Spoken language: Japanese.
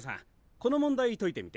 この問題解いてみて。